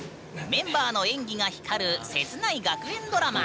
メンバーの演技が光る切ない学園ドラマ。